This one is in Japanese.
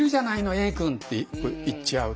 Ａくん」って言っちゃうと。